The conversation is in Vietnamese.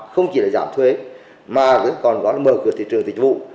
không chỉ là giảm thuế mà còn có mở cửa thị trường tịch vụ